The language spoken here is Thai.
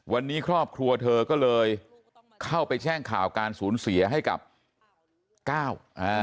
วันนี้ครอบครัวเธอก็เลยเข้าไปแช่งข่าวการสูญเสียให้กับก้าว